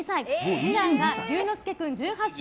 次男が龍ノ介君、１８歳。